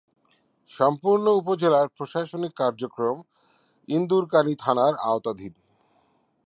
সম্পূর্ণ উপজেলার প্রশাসনিক কার্যক্রম ইন্দুরকানী থানার আওতাধীন।